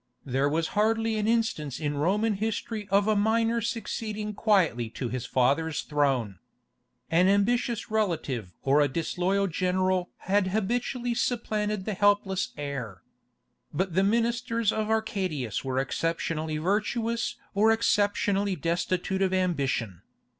There was hardly an instance in Roman history of a minor succeeding quietly to his father's throne. An ambitious relative or a disloyal general had habitually supplanted the helpless heir. But the ministers of Arcadius were exceptionally virtuous or exceptionally destitute of ambition.